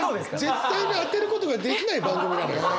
絶対に当てることができない番組なのよ。